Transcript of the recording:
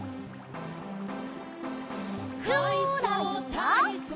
「かいそうたいそう」